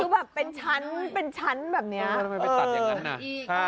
คือแบบเป็นชั้นเป็นชั้นแบบเนี้ยทำไมไปตัดอย่างนั้นอ่ะ